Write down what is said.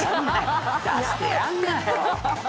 出してやんなよ。